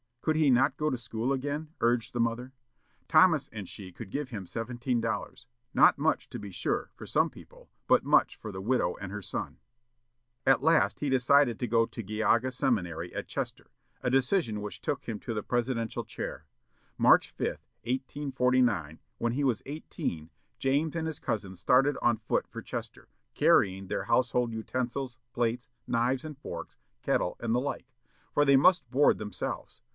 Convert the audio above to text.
Could he not go to school again? urged the mother. Thomas and she could give him seventeen dollars; not much, to be sure, for some people, but much for the widow and her son. At last he decided to go to Geauga Seminary, at Chester; a decision which took him to the presidential chair. March 5, 1849, when he was eighteen, James and his cousins started on foot for Chester, carrying their housekeeping utensils, plates, knives and forks, kettle, and the like; for they must board themselves.